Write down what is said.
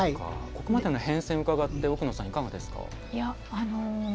ここまでの変遷を伺って奥野さん、いかがですか？